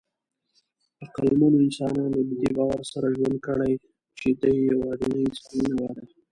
عقلمنو انسانانو له دې باور سره ژوند کړی، چې دی یواځینۍ انساني نوعه ده.